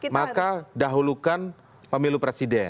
maka dahulukan pemilu presiden